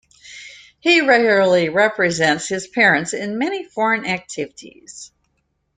He regularly represents his parents in many foreign activities.